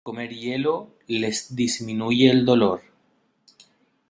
El comer hielo les disminuye el dolor.